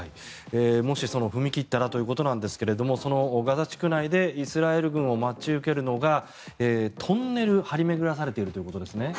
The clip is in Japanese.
もし、踏み切ったらということなんですがそのガザ地区内でイスラエル軍を待ち受けるのがトンネルが張り巡らされているということですね。